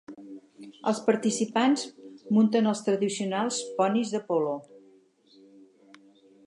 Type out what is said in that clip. Els participants munten els tradicionals ponis de polo.